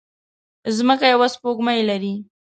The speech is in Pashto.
ځمکه يوه سپوږمۍ لري